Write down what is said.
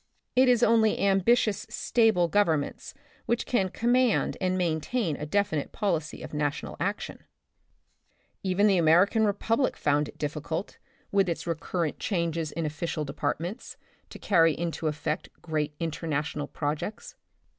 It is only ambitious staple governments which can command and maintain a definite policy of national action. Even the American republic found it difficult, with its recurrent 72 The Republic of the Future, changes in official departments, to carry into effect great international projects.